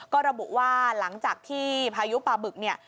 ก็ระบุว่าหลังจากที่พายุปลาบึกเนี่ย